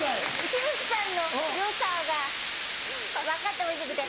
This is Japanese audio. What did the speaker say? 紫吹さんの良さが分かってほしくて。